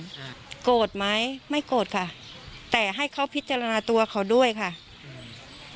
ฮะโกรธไหมไม่โกรธค่ะแต่ให้เขาพิจารณาตัวเขาด้วยค่ะอืม